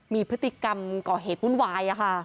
มีพฤติกรรมก่อเหตุวุ่นวาย